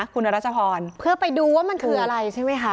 คุณรัชพรเพื่อไปดูว่ามันคืออะไรใช่ไหมคะ